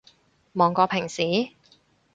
忙過平時？